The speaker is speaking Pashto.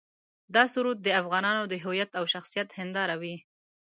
دا سرود د افغانانو د هویت او شخصیت هنداره وي.